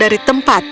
dan dia berkata